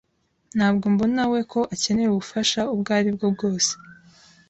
Ntabwo mbonawe ko akeneye ubufasha ubwo aribwo bwose.